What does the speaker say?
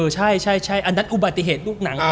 ใช่อันนั้นอุบัติเหตุลูกหนัง